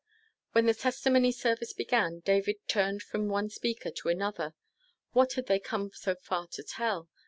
When the testimony service began, David turned from one speaker to another. What had they come so far to tell?